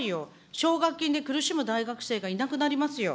奨学金で苦しむ大学生がいなくなりますよ。